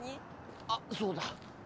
あっそうだ